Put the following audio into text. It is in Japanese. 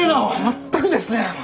全くですね！